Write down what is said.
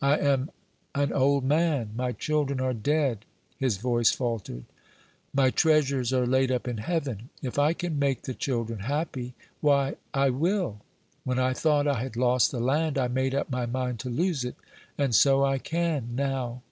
I am an old man; my children are dead" his voice faltered "my treasures are laid up in heaven; if I can make the children happy, why, I will. When I thought I had lost the land, I made up my mind to lose it, and so I can now."